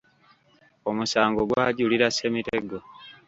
Omusango gw’ajulira Ssemitego.